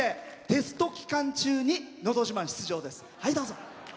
テスト期間中に「のど自慢」出場です。